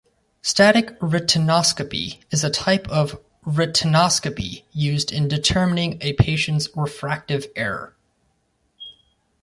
Static retinoscopy is a type of retinoscopy used in determining a patient's refractive error.